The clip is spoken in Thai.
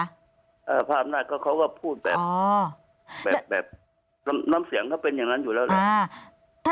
ภาพอำนาจก็เขาก็พูดแบบอ๋อแบบแบบน้ำเสียงเขาเป็นอย่างนั้นอยู่แล้วแหละ